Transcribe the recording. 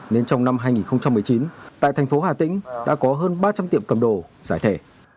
nên trong năm hai nghìn một mươi chín tại thành phố hà tĩnh đã có hơn ba trăm linh tiệm cầm đồ giải thể